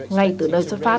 ngay từ nơi xuất phát